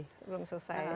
sebelum selesai ya